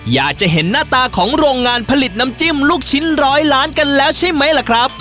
อยากจะเห็นหน้าตาของโรงงานผลิตน้ำจิ้มลูกชิ้นร้อยล้านกันแล้วใช่ไหมล่ะครับ